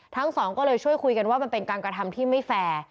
ทั้งสองก็เลยช่วยคุยกันว่ามันเป็นการกระทำที่ไม่แฟร์